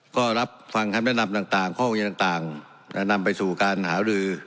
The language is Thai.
ก็รับฟังคำแนะนำต่างข้อเรียนต่างนำไปสู่การหารือ